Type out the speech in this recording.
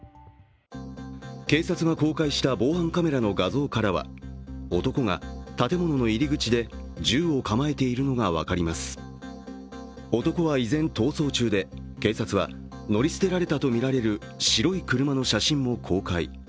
警察が公開した防犯カメラの画像からは男が建物の入り口で銃を構えているのが分かります男は依然、逃走中で警察は、乗り捨てられたとみられる白い車の写真も公開。